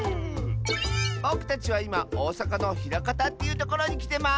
ぼくたちはいまおおさかのひらかたっていうところにきてます！